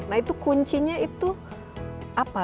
nah itu kuncinya itu apa